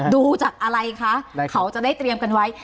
ดูจากอะไรคะเขาจะได้เตรียมกันไว้